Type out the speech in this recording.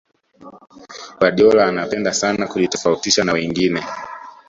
guardiola anapenda sana kujitofautisha na wengine